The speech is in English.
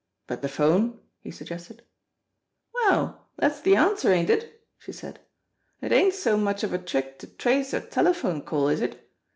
"But the phone ?" he suggested. "Well, dat's de answer, ain't it?" she said. "It ain't so much of a trick to trace a telephone call, is it?